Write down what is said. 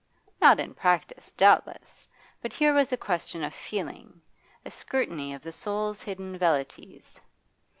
Not in practice, doubtless; but here was a question of feeling, a scrutiny of the soul's hidden velleities.